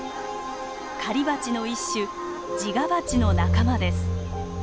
狩りバチの一種ジガバチの仲間です。